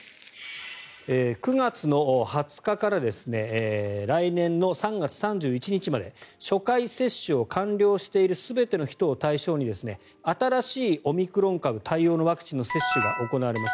９月の２０日から来年の３月３１日まで初回接種を完了している全ての人を対象に新しいオミクロン株対応のワクチンの接種が行われます。